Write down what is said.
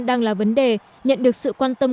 đang là vấn đề nhận được sự quan tâm